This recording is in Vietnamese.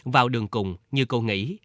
vào đường cùng như cô nghĩ